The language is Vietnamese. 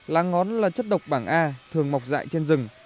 lá ngón là chất độc bảng a thường mọc dại trên rừng